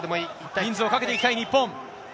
人数をかけていきたい、日本。